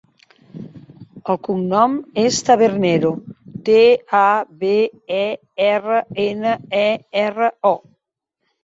El cognom és Tabernero: te, a, be, e, erra, ena, e, erra, o.